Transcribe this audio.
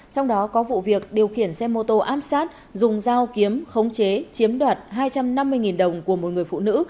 trong đó có vụ việc điều khiển xe mô tô ám sát dùng dao kiếm khống chế chiếm đoạt hai trăm năm mươi đồng của một người phụ nữ